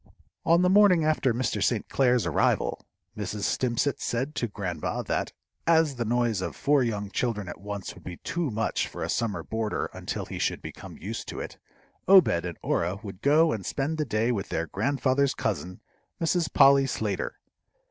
On the morning after Mr. St. Clair's arrival, Mrs. Stimpcett said to grandma that, as the noise of four young children at once would be too much for a summer boarder until he should become used to it, Obed and Orah would go and spend the day with their grandfather's cousin, Mrs. Polly Slater.